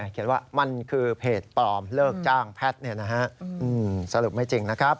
เขียนว่ามันคือเพจปลอมเลิกจ้างแพทย์สรุปไม่จริงนะครับ